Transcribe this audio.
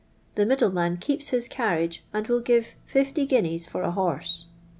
The middleman keeps his carriage, and will give fifty guineas for a horse.